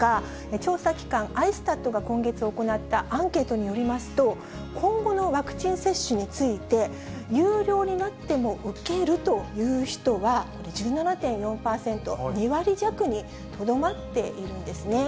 調査機関、アイスタットが今月行ったアンケートによりますと、今後のワクチン接種について、有料になっても受けるという人は１７．４％、２割弱にとどまっているんですね。